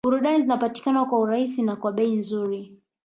Burudani zinapatikana kwa urahisi na kwa bei nzuri